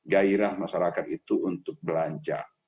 gairah masyarakat itu untuk belanja